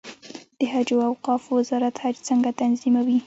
د حج او اوقافو وزارت حج څنګه تنظیموي؟